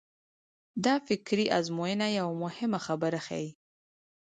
دا فکري ازموینه یوه مهمه خبره ښيي.